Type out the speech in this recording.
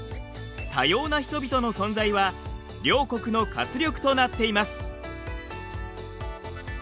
多様な人々の存在は両国の活力となっています。